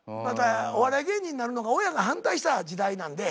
お笑い芸人になるのが親が反対した時代なんで。